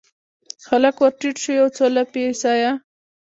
هلک ورټیټ شو یو، څو لپې سایه